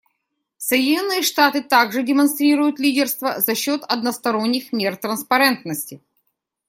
Соединенные Штаты также демонстрируют лидерство за счет односторонних мер транспарентности.